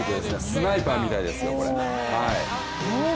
スナイパーみたいですよ、これ。